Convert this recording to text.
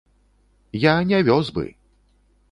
Я не вёз бы!